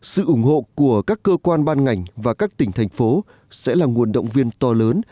sự ủng hộ của các cơ quan ban ngành và các tỉnh thành phố sẽ là nguồn động viên to lớn